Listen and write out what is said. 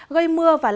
gây mưa và nắng sớm